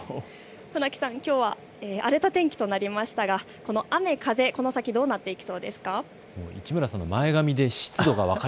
船木さん、きょうは荒れた天気となりましたがこの雨風、この先どうなっていきそうですか。